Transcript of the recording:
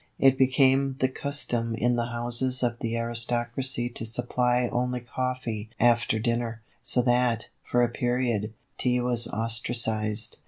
It became the custom in the houses of the aristocracy to supply only coffee after dinner, so that, for a period, Tea was ostracised.